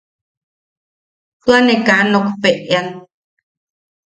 Tua ne kaa nokpeʼean.